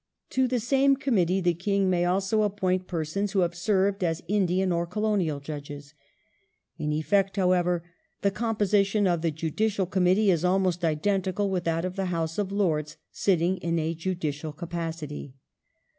To the same Committee the King may also appoint persons who have served as Indian or Colonial judges. In effect, however, the composition of the Judicial Committee is almost identical with that of the House of Lords sitting in a judicial capacity.